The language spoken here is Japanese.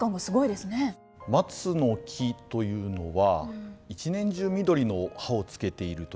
松の木というのは一年中緑の葉を付けているということ。